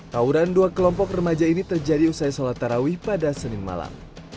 tawuran dua kelompok remaja ini terjadi usai sholat tarawih pada senin malam